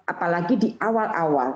apalagi di awal